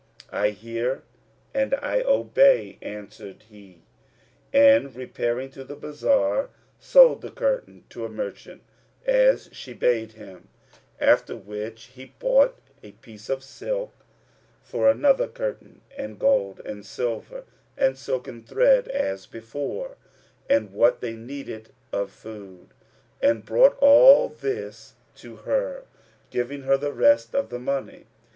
"I hear and I obey," answered he and, repairing to the bazar, sold the curtain to a merchant, as she bade him; after which he bought a piece of silk for another curtain and gold and silver and silken thread as before and what they needed of food, and brought all this to her, giving her the rest of the money.